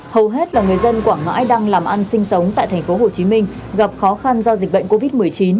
hầu hết là người dân quảng ngãi đang làm ăn sinh sống tại tp hcm gặp khó khăn do dịch bệnh covid một mươi chín